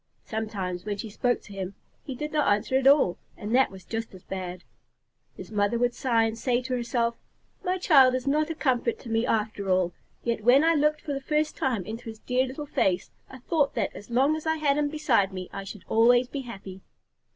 Sometimes, when she spoke to him, he did not answer at all, and that was just as bad. His mother would sigh and say to herself, "My child is not a comfort to me after all, yet when I looked for the first time into his dear little face, I thought that as long as I had him beside me I should always be happy."